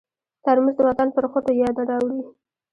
ترموز د وطن پر خټو یاد راوړي.